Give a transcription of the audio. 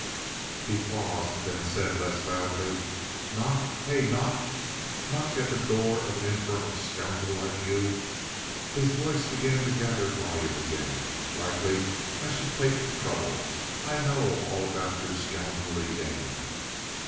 He paused, then said less loudly: "Knock? Hey? Knock? Knock at the door of an infernal scoundrel like you?" His voice began to gather volume again. "Likely I should take the trouble! I know all about your scoundrelly game."